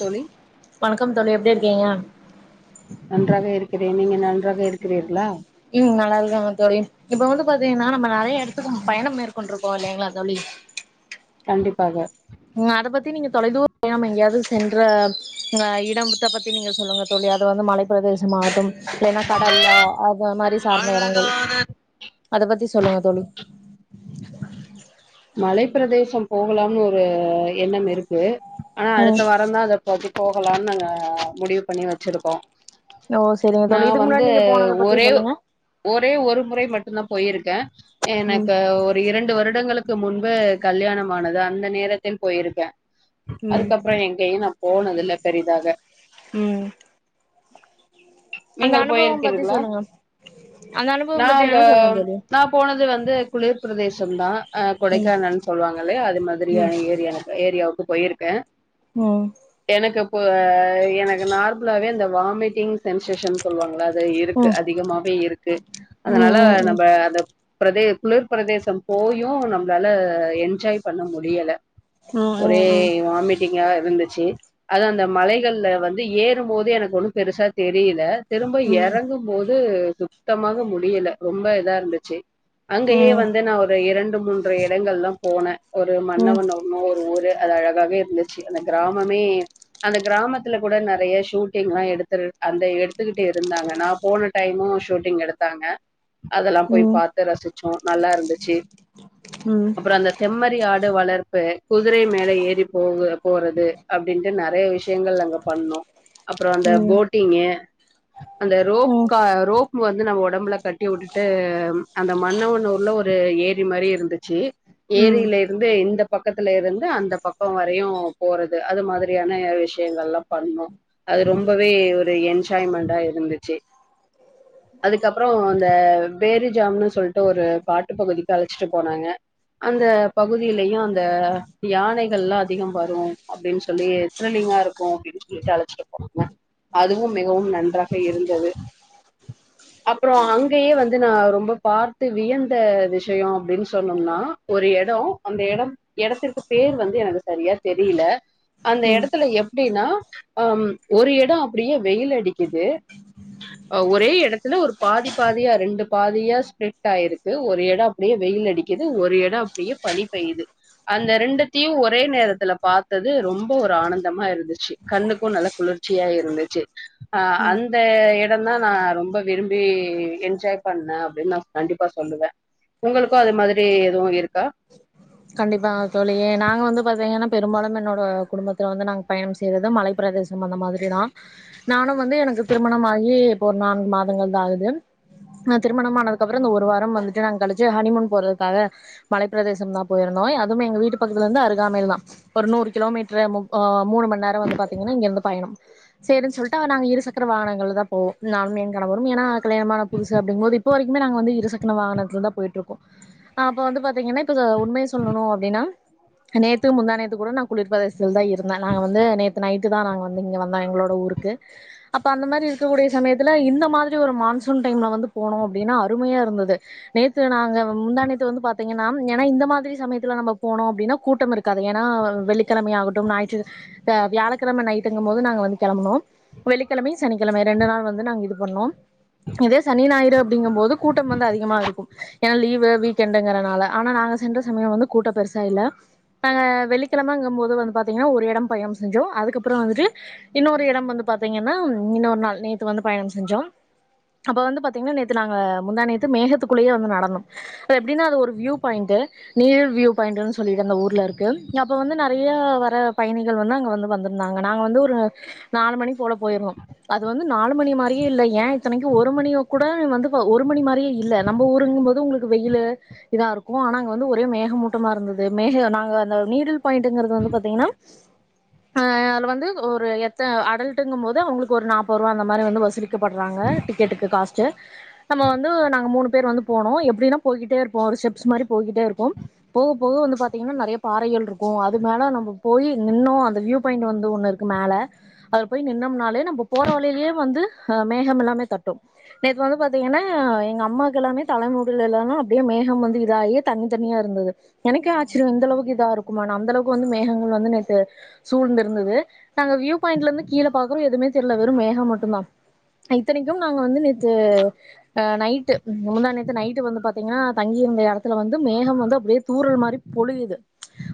தோழி வணக்கம் தோழி எப்டி [unintelligible] நன்றாக இருக்கிறேன் நீங்க என்னா நன்றாக இருக்கிறீர்களா பாத்தீங்கனா நம்ம நறைய எடத்துக்கு பயணம் மேற்கொண்ட்ருக்கோ இல்லைங்களா தோழி கண்டிப்பாக ம் அத பத்தி நீங்க தொலைதூர பயன் எங்யாவது சென்ற ஆ இடம் த்த பத்தி நீங்க சொல்லுங்க தோழி அது வந்து மலைப்பிரதேசமாகட்டும் இல்லைன்னா கடல்ல அத மாரி சார்ந்த இடங்கள் அத பத்தி சொல்லுங்க தோழி மலைப் பிரதேசம் போகலாம்னு ஒரு எண்ணம் இருக்கு ஆனா அடுத்த ம் வாரம் தா அத ப போகலான்னு நாங்க முடிவு பண்ணி வச்சிருக்கோ ஓ செரிங்க நா தோழி இதுக்கு வந்து முன்னாடி நீங்க போனத பத்தி ஒரே சொல்லுங்க ஒரே ஒரு முறை மட்டு தா போயிருக் க்கே ம் எனக்கு ஒரு இரண்டு வருடங்களுக்கு க்கு முன்பு கல்யாணம் ஆனது அந்த நேரத்தில் போயிருக்கே ம் அதுக்கப்புற எங்கயு நா போனதுல பெரிதாக ம் அந்த நீங்கள் அனுபவம் பத்தி போயிருக்கீங்களா சொல்லுங்க அந்த அனுபவம் பத்தி நாங்க வேணா சொல்லுங்க தோழி நா போனது வந்து இந்த குளிர் பிரதேசம் தா அ ம் கொடைக்கானல்ன் சொல்வாங்க இல்லயா அது மாதுரியா ம் ஏரியானக்கு ஏரியாவு போயிருக்க ம் எனக்கு நார்மலாவே இந்த வாமிட்டிங் சென்சேஷன் சொல்லவாங்ளா அது இருக்கு ம் அதிகமாவே இருக்கு அதனால ம் ம் ம் நம்ம அந்த பிரதே குளிர் பிரதேச போய் யு நம்ப்ளால என்ஜாய் பண்ண முடியல ஒரே கண்டிப்பா வாமிட் டிங்கா இருந்துச்சு அது அந்த மலைகள்ல வந்து ஏறும்போது எனக்கு ஒன்னும் பெருசா தெரியில திரும்ப எறங்கும்போது வந்து சுத்தமாக முடியல ரொம்ப இதா இருந்துச்சு அங்கயே வந்து நா ஒரு இரண் மூன்று இடங்கள்லா போன ஒரு மன்னவண்னூர் ஒரு ஊரு அது அழகாவே இருந்துச்சு அந்த கிராமமே அந்த கிராமத்துல கூட நறய ஷூட்டிங்லா எடுத்துரு அந்த எடுத்துக்கிட்டு இருந்தாங்க நா போன டைமு ஷூட்டிங் எடுத்தாங்க அதல்லாம் போய் பாத்து ரசிச்சோ நல்லா இருந்துச்சு அப்புற அந்த செம்மரி ஆ காடு வளர்ப்பு குதிரை மேல ஏறி போகு போறது அப்டின்ட்டு நறைய விஷ் ஷ்யங்கள் அங்க பண்னோ அப்றோ அந்த போட்டிங்கு அந்த ரோப் கா ரோப் வந்து நம்ம ஒடம்ல கட்டி உட்டுட்டு அந்த மண்ணவன்னூர்ல ஒரு ஏரி மரி இருந் ருச்சி ஏரியில இருந்து இந்த பக்கத்துல இருந்து அந்த பக்கோ வரையு போறது அது மாதுரியான விஷ்யங்கலா பண்ணோ அது ரொம்பவே ஒரு என்ஜாய்மண்டா இருந்துச்சு அதுக்கப்புறோ அ பேரிஜாம் னு சொல்லிட்டு ஒரு பாட்டு பகுதிக்கு அழச்சிட்டு போனாங்க அந்த பகுதியிலயு அந்த யானைகள்லா அதிக வரு அப்டின்னு சொல்லி த்ரில்லிங்கா இருக்கு அப்படின்னு சொல்லிட்டு அழைச்சிட்டு போனாங்க அதுவும் மிகவும் நன்றாக இருந்தது அப்புற அங்கயே வந்து நான் ரொம்ப பாத்து வியந்த விஷயோ அப்டின்னு சொல்னும்னா ஒரு எடோ அந்த எடோ எடத்திற்கு பேர் வந்து எனக்கு சரியா தெரிய்ல அந்த இடத்துல எவ் அப்படின்னா அ ஒரு இடம் அப்படியே வெயில் அடிக்குது ஒரே இடத்துல ஒரு பாதி பாதியா ரெண்டு பாதியா ஸ்பிலிட் ஆயிருக்கு ஒரு இடம் அப்படியே வெயில் அடிக்கு து ஒரு இடம் அப்படியே பனி பெய்யுது அந்த ரெண்டுத்தையும் ஒரே நேரத்துல பாரத்தது ரொம்ப ஒரு ஆனந்தமா இருந்துச்சு கண்ணுக்கும் நல்ல குளிர்ச்சியா இருந்துச்சு ஆ அந்த இட ம்தா நா ரொம்ப விரும்பி என்ஜாய் பண்ணே அப்படின்னு நா கண்டிப்பா சொல்லுவே உங்களுக்கும் அது மாதிரி எதுவும் இருக்கா கண்டிப்பா தோழி நாங்க வந்து பாத்தீங்கன்னா பெரும்பாலும் என்னோட குடும்பத்துல வந்து நாங்க பயணம் செய்யறது மலை பிரதேசம் அந்த மாதிரிதா நானும் வந்து எனக்கு திருமணமாகி ஒரு நான்கு மாதங்கள் தா ஆகுது திருமணம்மானனதுக்கு அப்புறம் இந்த ஒரு வாரம் வந்துட்டு நாங்க கழிச்சு ஹனிமூன் போறதுக்காக மலைப்ப பிரதேசம் தா போயிருந்தோ அதுவும் எங்க வீட்டு பக்கத்துல இருந்து அருகாமையல தா நூறு கிலோமீட்டர் மூணு ம நேரம் வந்து பாத்தீங்கன்னா இங்க இருந்து பயணம் சரினு சொல்லிட்டு நா இருசக்கர வாகங்கள்ல தா போவோ நானும் கணவரும் ஏன்னா கல்யாணமான புதுசு அப்ப இப்ப வரைக்குமே நாங்க வந்து இருசக்கர வாகனத்துல தா போயிட்டு இருக்கோம் அப்ப வந்து பாத்தீங்கன்னா இ உண்மை சொல்லணும் அப்படினா நேத்து முந்தாநேத்து கூட நா குளிர்பிரதேசத்துல தா இருந்தேன் நா நேத்து நைட் இங்க வந்தோம் எங்களோட அப்பா ஊருக்கு அந்த மாதிரி இருக்கூடிய சமயத்துல இந்த மாதிரி ஒரு மான்சூன் டைம்ல வந்து போன அப்படின்னா அருமையா இருந்தது நேத்து நாங்க முந்தா நேத்து வந்து பாத்தீங்கன்னா என இந்த மாதிரி சமயத்துல நம்ப போனோ அப்பிடின்னா கூட்டம் இருக்காது ஏன்னா வெள்ளிக்கிழமை ஆகட்டும் ஞாயிற்று வியாழக்கிழமை நைட்டு போது நாங்க வந்து கிளம்பனோம் வெள்ளிக்கிழ சனிக்கிழ ரண்டு நாள் வந்து நாங்க இது பண்ணோ இதே சனி ஞாயிறு அப்படிங்கும் போது கூட்டம் வந்து அதிகமா இருக்கும் ஏன்னா லீவ் வீக்கெண்ட்ங்கறனால ஆனா நாங்க சென்ற சமயம் வந்து கூட்டம் பெருசு இல்ல நாங்க வெள்ளிக்கிழமங்க போது வந்து பாத்தீங்கன்ன ஒரு இடம் பயணம் செஞ்ச அதுக்கப்புறம் வந்து இன்னொரு இடம் வந்து பாத்திங்கன்ன இன்னரு நாள் நேத்து வந்து பயணம் செஞ்சோம் அப்ப வந்து பாத்தீங்கன்னா நேத்து நாங்க முந்தா நேத்து மேகத்துக்குள்ளேயே நடந்தோ அது எப்படின்னா அது ஒரு வியூ பாயிண்ட் நீர் வியூ பாயிண்ட்ன்னு சொல்லிட்டு அந்த ஊர்ல இருக்கு அப்போ வந்து நிறைய வர பயணிகள் வந்து அங்க வந்து வந்திருந்தாங்க நாங்க வந்து ஒரு நாலு மணி போல போயிருந்தும் அது வந்து நாலு மணி மாதிரியே இல்ல ஏன் இத்தனைக்கு ஒரு மணி கூட வந்து ஒரு மணி மாதிரிய இல்ல நம்ம ஊருங்கும்போது உங்களுக்கு வெயில் இதா இருக்கும் ஆனா அங்க ஒரே மேகமூட்டமா இருந்தது மேக நாங்க அந்த நீடில் பாயிண்ட்ன் கருது வந்து பாத்திகனா ஆ அதுல வந்து எத் அடல்ட் அடல்ட்டு போது அவகளுக்கு ஒரு நாப்பது ரூப அந்த மாதிர வசு லிக்படுறாங்க டிக்கெட்டுக்கு காச நம்ம வந்து நாங்க மூணு பேரு வந்து போனோ எப்படின்னா போயிட்டே இருப்போம் ஒரு ஸ்டெப்ஸ் மாதிரி போயிட்டே இருப்போம் போக போக வந்து பாத்தீங்கன்னா நிறைய பாறைகள் இருக்கும் அது மேல நம்ம போய் நின்னோ அந்த வியூ பாயிண்ட் வந்து ஒண்ணு இருக்கு மேல அது போய் நின்னோம்னாலே நம்ம போற வழியிலேயே வந்து அ மேகம் எல்லாமே தட்டும் நேத்து வந்து பா்த்தீங்கன்னா எங்க அம்மாவுக்கு எல்லாமே தலைமுடில எல்லாமே அப்படியே மேகம் வந்து இதாகி தண் எனக்கே ஆச்சரியம் இந்தளவுக்கு இதா இருக்குமா அந்த அளக்கு வந்து மேகங்கள் வந்து நேத்து சூழ்ந்து இருந்தது நாங்க வியூ பாய்ண்ட்ல இருந்து கீழே பாக்குறோம் எதுவுமே தெரியல வெறும் மேகம் மட்டும்தா இத்தனைக்கும் நாங்க வந்து நேத்து நைட்டு முந்தாணேத்து நைட்டு வந்து பாத் திங்கன்னா தங்கிருந்த இடத்துல வந்து மேகம் வந்து அப்படியே தூரல் மாதிரி பொழியுது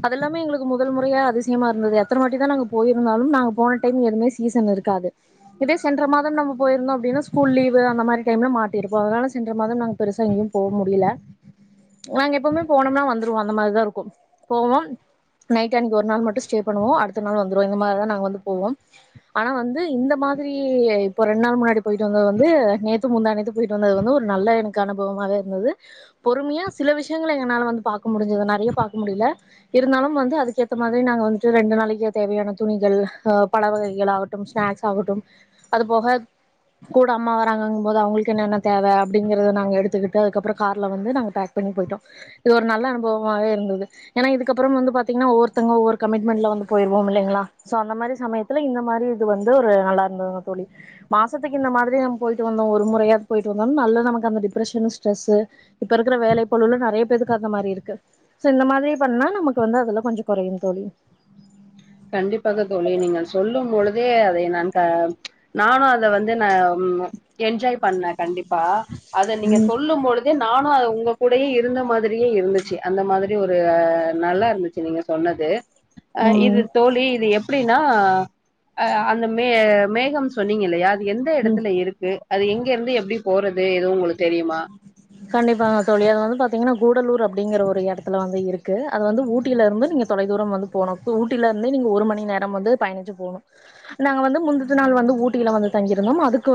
அதெல்லாமே எங்களுக்கு முதல் முறையா அதிசயமா இருந்தது எத்தன வாட்டி போயிருந்தாலும் நா போன டைம் எதுவுமே சீசன் இருக்காது சென்ற மாதம் போயிருந்தோம் அப்டின்னா ஸ்கூல் லீவு மாதிரி டைம்ல மாட்டிருப்போம் அதனால சென்ற மாதம் பெருசா இங்கயும் போக முடியல நாங்க எப்பவுமே போனம்னா வந்துருவோம் அந்த மாதிரிதா இருக்கும் போவோம் நைட் அன் கோ ஒரு நாள் மட்டும்ஸ்டே பண்ணுவோம் அடுத்த நாள் வந்துடும் இந்த மாதிரி தா நாங்க வந்து போவோம் ஆனா வந்து இந்த மாதிரி இப்போ ரெண்டு நாள் முன்னாடி போயிட்டு வந்தது வந்து நேத்து முந்தா நேத்து போயிட்டு வந்தது வந்து ஒரு நல்ல எனக்கு அனுபவமாவே இருந்தது பொறுமையா சில விஷயங்கள் எங்களனால வந்து பாக்க முடிஞ்சது நிறைய பாக்க முடியல இருந்தாலும் வந்து அதுக்கேற்ற மாதிரி நாங்கள் வந்துட்டு ரெண்டு நாளைக்க தேவையான துணிகள் பழ வகைகள் ஆகட்டும் ஸ்நாக்ஸ் ஆகட்டும் அது போக கூட அம்மா வராங்கனும்போது அவங்களுக்கு என்னென்ன தேவை அப்படிங்கிறத நாங்க எடுத்துக்கிட்டு அதுக்கப்புறம் காரல்ல வந்து நாங்க பேக் போயிட்டோ இது ஒரு நல்ல அனுபவ இருந்ததுது ஒவ்வொருத்தவங்க ஒவ்வொரு கமிட்மென்ட்ல வந்து போயிடுவோம் இல்லைங்களா அந்த மாதிரி சமயத்தில இங்க மாதிரி வந்து நல்லாருந்துதுங்க தோழி மாசத்துக்கு இந்த மாதிரி போய்ட்டு வந்தோம் ஒரு முறை ஆது போயிட்டு வந்த நல்ல நமக்கு அந்த டிப்ரெஸியன் ஸ்ட்ரெஸ் இப்ப இருக்குற வேலை பழுல நிறைய பேருக்கு அந்த மாதிரி இருக்கு சோ இந்த மாதிரி பண்ணா நமக்கு வந்து அதெல்லாம் கொஞ்சம் குறையும் தோழி கண்டிப்பாக தோழி நீங்கள் சொல்லும் பொழுதே அதை நா நானும் அதுல வந்து நான் என்ஜாய் பண்ணே கண்டிப்பா அத நீங்க ம் சொல்லும் பொது இதே நானும் உங்க கூடையே இருந்த மாதிரி மாறியே இருந்துச்சு அந்த மாதிரி இப்டி ஒரு நல்லா இருந்துச்சு நீங்க சொன்னது ஆ இது ம் தோழி இது எப்டி அந்த ஆ அந்த மே மேகம் சொன்னீங்க இல்லையா அது எந்த ம் எடத்துல இருக்கு அது எங்க இருந்து எப்படி போறது எதுவும் உங்களுக்கு தெரியுமா கண்டிப்பாக தோழி அது வந்து பாத் தீங்கன்னா கூடலூர் அப்டிங்கிற ஒரு எடத்துல வந்து இருக்கு அது வந்து ஊட்டிலேருந்து நீங்கள் தொலை தூரம் வந்து போணும் இப்ப ஊட்டிலருந்தே நீங்கள் ஒரு மணி நேரம் வந்து பயணிச்சு போணும் நாங்க வந்து முந்துன நாள் வந்து ஊட்டியில் வந்து தங்கியிருந்தோம் அதுக்கு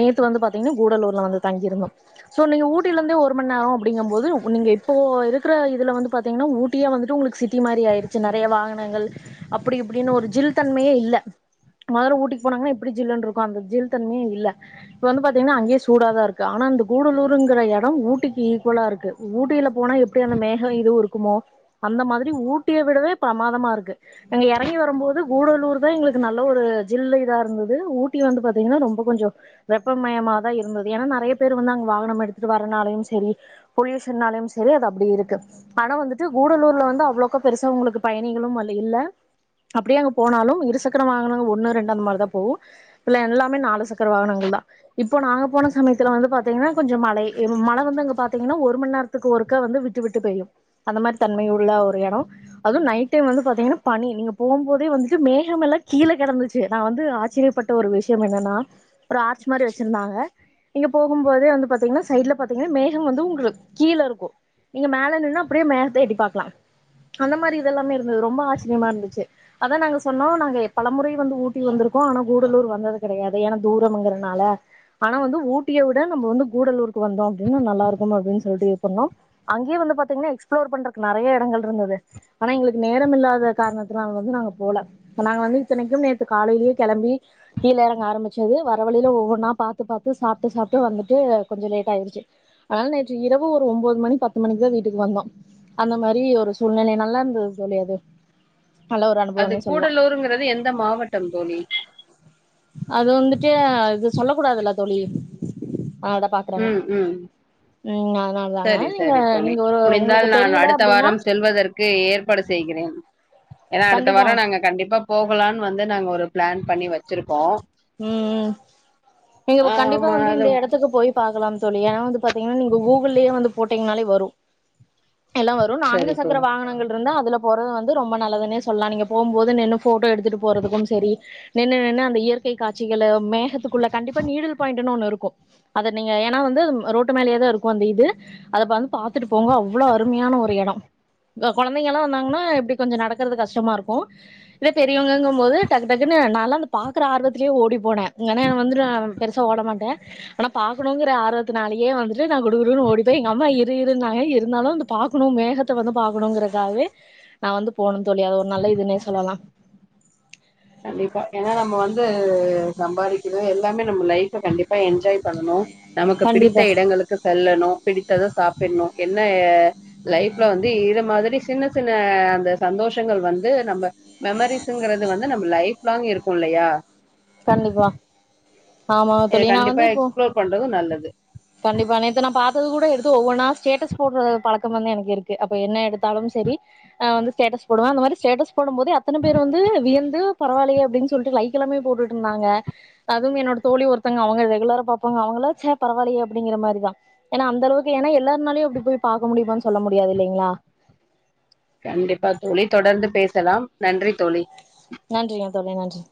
நேத்து வந்து பாத்தீங்கன்னா கூடலூர்ல வந்து தங்கியிருந்தோம் சோ நீங்க ஊட்டில இருந்தே ஒரு மண் நேரம் அப்டிங்கம் போது நீங்க இப்போ இருக்கிற இதுல வந்து பாத்தீங்கன்னா ஊட்டியே வந்துட்டு உங்களுக்கு சிட்டி மாரி ஆயிருச்சு நெறைய வாகனங்கள் அப்டி இப்டின்னு ஒரு ஜில் தன்மையே இல்ல மரு ஊட்டிக்கு போனாங்கன்னா எப்டி ஜில்லுனு இருக்கும் அந்த ஜில் தன்மையே இல்ல இப்ப வந்து பாத்தீங்கன்னா அங்கேயே சூடாதா இருக்கு ஆனா அந்த கூடலூருங்கிற இடம் ஊட்டிக்கு ஈக்குவலா இருக்கு ஊட்டியில போனா எப்படி அந்த மேகம் இதுவும் இருக்குமோ அந்த மாதிரி ஊட்டியை விடவே பிரமாதமா இருக்கு எங்க இறங்கி வரும்போது கூடலூர் தான் எங்களுக்கு நல்ல ஒரு ஜில்லு இதா இருந்தது ஊட்டி வந்து பாத்தீங்கன்னா ரொம்ப கொஞ்சம் வெப்பமயமாதா இருந்தது ஏன்னா நெறைய பேர் வாகனம் எடுத்து வர்றநாலயும் சேரி பொலிசன் நாளையும் சரி அப்படி இருக்கு ஆனா வந்துடு கூடலூர்ல வந்து அவளோக்க பெருசா உங்களுக்கு பயணிகளும் அங்க இல்ல அப்படிய அங்க போனாலும் இரு சக்கர வகன ஒண்னு ரெண்டு அந்த மாரிதான் போவும்இல்ல எல்லாமே நாலு சக்கர வாகனங்கள் தான் இப்போ நாங்க போன சமயத்துல வந்து பாத் கொஞ்சம் மழை மழ வந்து அங்க பாத்திங்கன்னா ஒரு மணி நேரத்துக்கு ஒருக்கா வந்து விட்டு விட்டு பெயும் அந்த மாரி தன்மையுள்ள ஒரு இடம் அதும் நைட்டைம் வந்துபாத்திங்கனா பனி நீங்க போம்போதே வந்து மேகமெல்ல கீழே கிடந்துச்சு நான் வந்து ஆச்சரியப்பட்ட ஒரு விஷயம் என்னன்னா ஒரு ஆர்ச் மாரி வச்சிருந்தாங்கங்க இங்க போகும் போம்போதே வந்து பாத்திங்கன்னா சைடுல பாத்திங்கன்னா மேகம் வந்து உங்களுக்கு கீழே இருக்கும் நீங்க மேல நின்னா அப்படியே மேகத்தை எட்டி பாக்கலாம் அந்த மாரி இதெல்லாமே இருந்தது ரொம்ப ஆச்சரியமா இருந்துச்சு அதான் நாங்க சொன்னோம் நாங்க பல முறை வந்து ஊட்டி வந்திருக்கோம் ஆனா கூடலூர் வந்தது கிடையாது ஏன்னா தூரம்ங்கறனால ஆனா வந்து ஊட் ஊட்டியவிட நம்ம வந்து கூடலூருக்கு வந்தோம் அப்படின்னு நல்லா இருக்கும் அப்படின்னு சொல்லிட்டு இது பண்ணோம் அங்கேவந்து பாத்தீங்கன்னா எக்ஸ்ப்ளோர் பண்றக்கு நிறைய இடங்கள் இருந்தது ஆனா எங்களுக்கு நேரம் இல்லாத காரணத்தினால வந்து நாங்க போல நாங்க வந்து இத்தனைக்கும் நேற்று காலையேயே கிளம்பி கீழ இறங்க ஆரம்பிச்சது வர வழியில ஒவ்வொ நாள் பாத்து பாத்து சாப் ட்டு சாப்ட்டு வந்துட்டு கொஞ்சம் லேட் ஆயிருச்சு அதனால நேற்று இரவு ஒரு ஒம்போது மணி பத்து மணிக்கு தான் வீட்டுக்கு வந்தோம் அந்த மாரி ஒரு சூழ்நிலை நல்லா இருந்தது தோழி அது நல்ல ஒரு அது அனுபவம்னே சொல்லா கூடலூருங்கிறது எந்த மாவட்டம் தோழி அது வந்துட்டு இது சொல்ல கூடாதுல்ல தோழி [inaudible] பாக்குறேங்க ம் ம் ம் அதனால தாங்க சரி நீங்க சரி தோழி நீங்க ஒரு உங்களுக்கு முடிந்தால் நான் தெரியல அடுத்த அப்டின்னா வாரம் செல்வதற்கு ஏற்பாடு செய்கிறேன் ஏன்னா அடுத்த கண்டிப்பா வாரம் நாங்க கண்டிப்பா போகலாம்னு வந்து நாங்க ஒரு பிளான் பண்ணி வச்சுருக்கோம் ம் ம் நீங்க கண்டிப்பா ஆமா வந்து அது இந்த இடத்துக்கு போய் பாக்கலாம் தோழி ஏன் வந்து பாத்தீங்கன்னா நீங்க கூகுள்யே வந்து போட்டீங்கன்னாலே வரும் எல்லாவரும் நான்கு சரி சக்கர தோழி வாகனங்கள் இருந்த அதுல போற வந்து ரொம்ப நல்லதுன்னே சொல்லலாம் நீங்க போகும்போது நின்ம்னு போட்டோ எடுத்துட்டு போறதுக்கும் சரி நின்னு நின்னு அந்த இயற்கை காச்சிக்கல மேகத்துக்குள்ள கண்டிப்பா நீடில் பாய்ண்டுனு ஒன்னு இருக்கும் கும் அத நீங்க ஏன்னா வந்து ரோட்டு மேலேயே தான் இருக்கும் அந்த இது அதை வந்து பாத்துட்டு போங்க அவ்வளோ அருமையான ஒரு இடம் குழந்தைங்கல்லாம் வந்தாங்கன்னா இப்படி கொஞ்சம் நடக்கறது கஷ்டமா இருக்கும் இத பெரியவங்கங்கும் போது டக்கு டக்குன்னு நல்லா அந்த பாக்குற ஆர்வத்தை இதுலேயே ஓடி போனேன் வந்து நான் பெருசா ஓட மாட்டேன் ஆனா பார்கக்கணுங்கிற ஆர்வத்துநாலயே வந்துட்டு நான் குடுகுடுன்னு ஓடிப்போய் எங்க அம்மா இரு இரு இருந்நாங்க இருந்தாலும் அந்து பார்க்கணும் மேகத்தை வந்து பார்கக்கணுங்கறக்காகவே நான் வந்து போணும் தோழி அது ஒரு நல்ல இதுன்னே சொல்லலாம் கண்டிப்பா ஏன்னா நம்ம வந்து சம்பாதிக்றது எல்லாமே நம்ம லைஃப் கண்டிப்பா என்ஜாய் பண்ணனும் நமக்கு பிடித்த கண்டிப்பா இடங்களுக்கு செல்லணும் பிடித்தத சாப்ட சாப்பிடணும் என்ன லைஃப்ல வந்து இது மாதிரி சின்ன சின்ன அந்த சந்தோஷங்கள் வந்து நம்ம மெமரிஸ்ங்கிறது வந்து லைப் லாங் இருக்கும் இல்லையா கண்டிப்பா ஆமா இத தோழி நான் கண்டிப்பா வந்து இப்போ எக்ஸ்ப்ளோர் பண்றது நல்லது கண்டிப்பா நேத்து நான் பாத்தது கூட எடுத்து ஒவ்வொன்னா ஸ்டேட்டஸ் போட்றது பா [unintelligible] எனக்கு இருக்கு அப்ப என்ன எடுத்தாலும் சரி நா வந்து ஸ்டேட்டஸ் போடுவே அந்த மாரி ஸ்டேட்டஸ் போடும்போதே அத்தன பேரும் வந்து வியந்து பரவில்லையே அப்டின்னு சொல்லிட்டு லைக் எல்லாம் போடு இருந்தாங்க அதுவும் என்னோட தோழி ஒருத்தங்க அவங்க ரெகுலரா பாப்பாங்க அவங்களா சே பரவால்லயே அப்டிங்கிற மாரிதா ஏன்னா அந்த அளவுக்கு ஏன்னா எல்லாருனாலயும் அப்டி போய் பாக்க முடியுமானு சொல்ல முடியாது இல்லைங்களா கண்டிப்பா தோழி தொடர்ந்து பேச சலாம் நன்றி தோழி நன்றிங்க தோழி நன்றி